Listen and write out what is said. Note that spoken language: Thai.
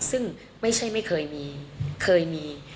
ซึ่งไม่ใช่ไม่เคยมีเคยมี